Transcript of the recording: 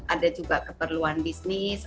ada juga keperluan bisnis